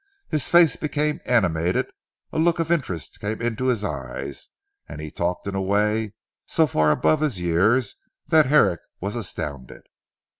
His face became animated, a look of interest came into his eyes, and he talked in a way so far above his years that Herrick was astounded.